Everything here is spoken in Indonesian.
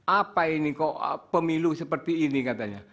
apa ini kok pemilu seperti ini katanya